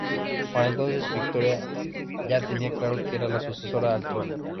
Para entonces, Victoria ya tenía claro que era la sucesora al trono.